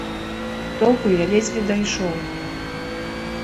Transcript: Толку я ледзьве дайшоў.